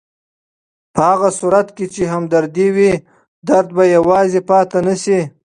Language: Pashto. په هغه صورت کې چې همدردي وي، درد به یوازې پاتې نه شي.